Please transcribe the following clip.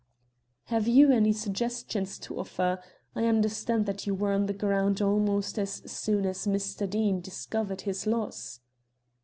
"Have you any suggestions to offer? I understand that you were on the ground almost as soon as Mr. Deane discovered his loss."